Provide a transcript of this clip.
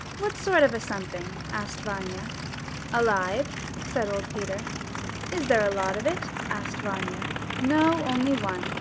'' *'What sort of a something?'* asked Vanya. ''Alive," said old Peter. "Is there a lot of it?" asked Vanya. *'No, only one."